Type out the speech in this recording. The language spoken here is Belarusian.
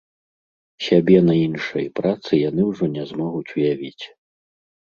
Сябе на іншай працы яны ўжо не змогуць уявіць.